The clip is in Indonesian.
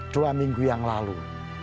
dua minggu yang lalu